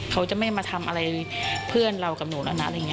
เขาจะไม่มาทำอะไรเพื่อนเรากับหนูแล้วนะ